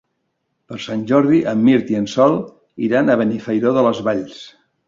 Per Sant Jordi en Mirt i en Sol iran a Benifairó de les Valls.